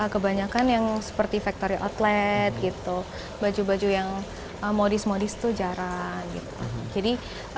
kebanyakan yang seperti factory outlet gitu baju baju yang modis modis itu jarang gitu jadi